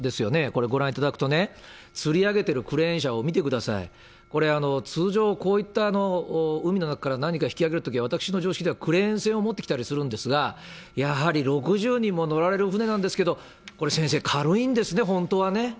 これ、ご覧いただくとね、つり上げてるクレーン車を見てください、これ、通常、こういった海の中から何か引き揚げるときは、私の常識ではクレーン船を持ってきたりするんですが、やはり６０人も乗られる船なんですけれども、これ先生、軽いんですね、本当はね。